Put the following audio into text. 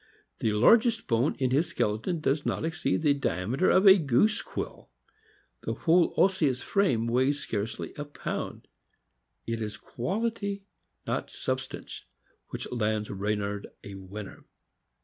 The largest bone in his skeleton does not exceed the diameter of a goose quill. The whole osseous frame weighs scarcely a pound. It is quality, not " substance," which lands Reynard a winner.